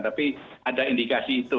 tapi ada indikasi itu